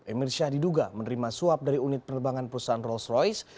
emir syah diduga menerima suap dari unit penerbangan perusahaan rolls royce